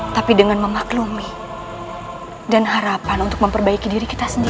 tapi dengan memaklumi dan harapan untuk memperbaiki diri kita sendiri